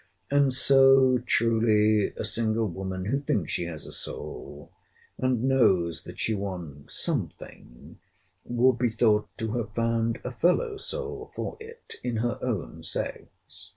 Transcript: And so, truly, a single woman, who thinks she has a soul, and knows that she wants something, would be thought to have found a fellow soul for it in her own sex.